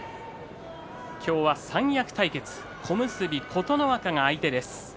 今日は三役対決小結琴ノ若が相手です。